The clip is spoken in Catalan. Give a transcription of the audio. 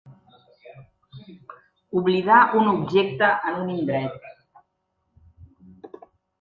Oblidar un objecte en un indret.